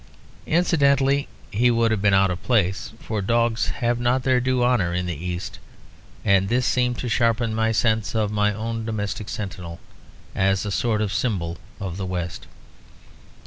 Incidentally, he would have been out of place; for dogs have not their due honour in the East; and this seemed to sharpen my sense of my own domestic sentinel as a sort of symbol of the West.